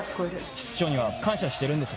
室長には感謝してるんです。